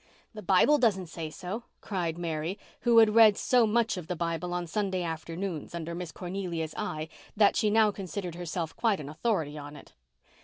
"The Bible doesn't say so," cried Mary, who had read so much of the Bible on Sunday afternoons under Miss Cornelia's eye that she now considered herself quite an authority on it.